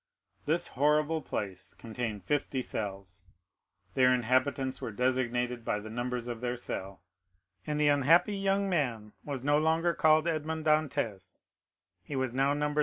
This horrible place contained fifty cells; their inhabitants were designated by the numbers of their cell, and the unhappy young man was no longer called Edmond Dantès—he was now number 34.